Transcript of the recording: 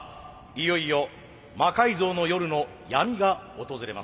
いよいよ「魔改造の夜」の闇が訪れます。